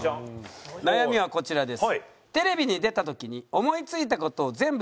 悩みはこちらです。